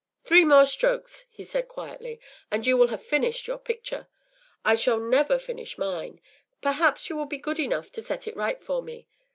“Three more strokes,” he said, quietly, “and you will have finished your picture. I shall never finish mine; perhaps you will be good enough to set it right for me.